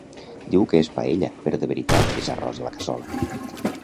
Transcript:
Diu que és paella però de veritat és arròs a la cassola.